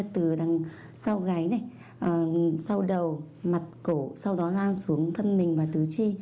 từ sau gáy sau đầu mặt cổ sau đó lan xuống thân mình và tứ chi